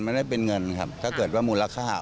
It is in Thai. ไม่ได้เป็นเงินครับถ้าเกิดว่ามูลค่า